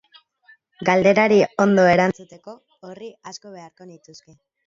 Galderari ondo erantzuteko, orri asko beharko nituzke.